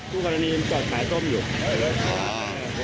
คู่กรณีจอดขายส้มอยู่